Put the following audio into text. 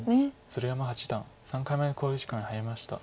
鶴山八段３回目の考慮時間に入りました。